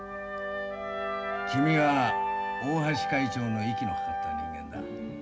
君は大橋会長の息のかかった人間だ。